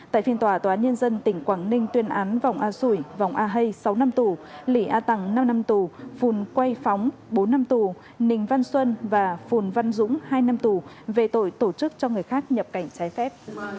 tại phiên tòa tòa nhân dân tỉnh quảng ninh tuyên án vòng a sủi vòng a hây sáu năm tù lỉ a tằng năm năm tù phùn quay phóng bốn năm tù ninh văn xuân và phùn văn dũng hai năm tù về tội tổ chức cho người khác nhập cảnh trái phép